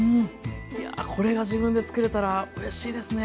いやぁこれが自分で作れたらうれしいですね。